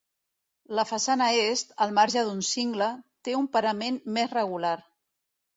La façana est, al marge d'un cingle, té un parament més regular.